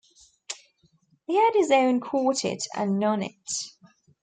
He had his own quartet and nonet.